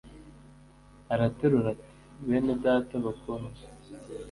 araterura ati "bene data bakundwa,